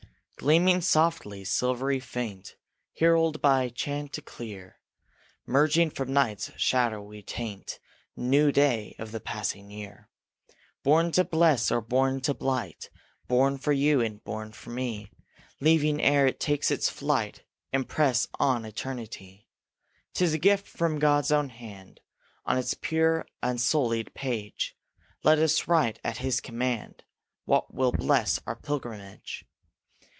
Gleaming softly, silvery faint, Heralded by chanticleer, Merging from night's shadowy taint, New day of the passing year! Born to bless or born to blight, Born for you and born for me, Leaving, ere it take its flight, Impress on eternity! 'Tis a gift from God's own hand. On its pure unsullied page Let us write at his command What will bless our pilgrimage.